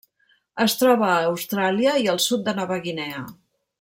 Es troba a Austràlia i al sud de Nova Guinea.